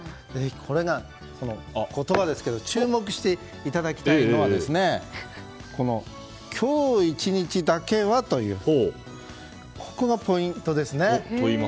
それが、この言葉ですけど注目していただきたいのは今日１日だけはというここがポイントですね。